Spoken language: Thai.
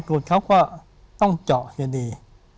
ก็ต้องเจาะเจดี